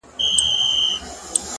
په څو ځلي مي ستا د مخ غبار مات کړی دی؛